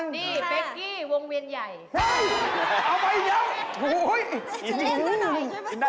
ดีเดี๋ยวนี่ดีกว่า